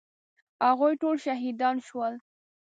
هغوی ټول شهیدان شول.